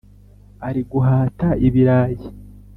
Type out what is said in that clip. ari guhata ibirayi